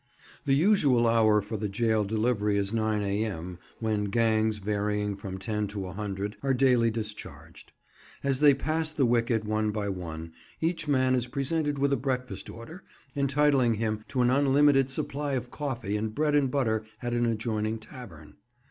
The usual hour for the jail delivery is 9 A.M., when gangs, varying from ten to a hundred, are daily discharged. As they pass the wicket one by one, each man is presented with a breakfast order, entitling him to an unlimited supply of coffee and bread and butter at an adjoining tavern.